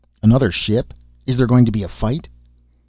"Another ship? Is there going to be a fight?"